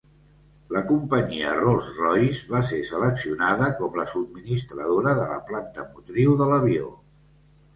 La companyia Rolls-Royce va ser seleccionada com la subministradora de la planta motriu de l'avió.